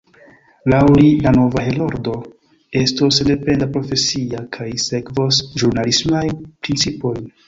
Laŭ li la nova Heroldo estos sendependa, profesia, kaj sekvos ĵurnalismajn principojn.